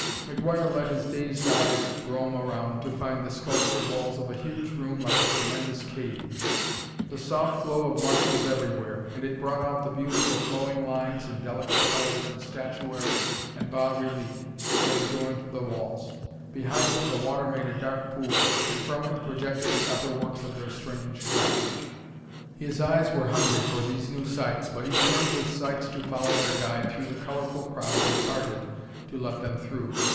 McGuire let his dazed eyes roam around to find the sculptured walls of a huge room like a tremendous cave. The soft glow of light was everywhere, and it brought out the beauty of flowing lines and delicate colors in statuary and bas relief that adorned the walls. Behind him the water made a dark pool, and from it projected the upper works of their strange craft. His eyes were hungry for these new sights, but he turned with Sykes to follow their guide through the colorful crowd that parted to let them through.